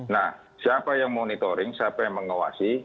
nah siapa yang monitoring siapa yang mengawasi